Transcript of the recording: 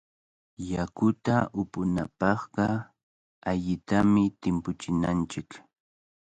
Yakuta upunapaqqa allitami timpuchinanchik.